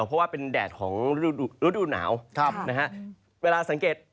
เพราะว่าเป็นแดดของฤดูหนาวนะฮะเวลาสังเกต